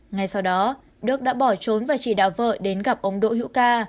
ngay sau đó đức đã bỏ trốn và chỉ đạo vợ đến gặp ông đỗ hữu ca